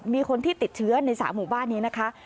มีคนที่ติดเชื้อใน๓หมู่บ้านนี้นะคะ